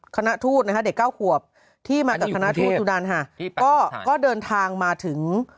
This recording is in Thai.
คณะทูตเนี่ยน่ะเด็ก๙ขวบที่มากับคณะให้ดูดังหาที่ป่าวอื่นทางมาถึง